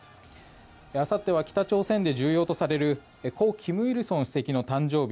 あさっては北朝鮮で重要とされる故・金日成主席の誕生日